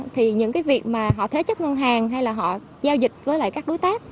thì những cái việc mà họ thế chấp ngân hàng hay là họ giao dịch với lại các đối tác